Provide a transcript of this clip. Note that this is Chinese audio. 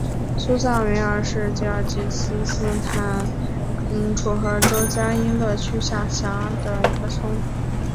苏萨梅尔是吉尔吉斯斯坦楚河州加依勒区下辖的一个村。